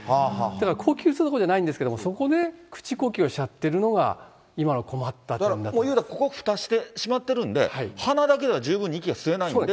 だから、呼吸するところじゃないんですけど、そこで口呼吸をしちゃってるのが、いうたら、ここ、ふたして閉まってるんで、鼻だけでは十分に息が吸えないんで。